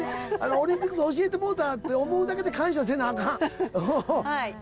オリンピックで教えてもろたって思うだけで感謝せなアカン。